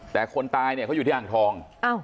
แต่คนตายเนี่ยเขาอยู่ที่อ่างทอง